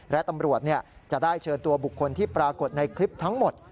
และตำรวจจะได้เชิญตัวบุคคลที่ปรากฏในคลิปทั้งหมด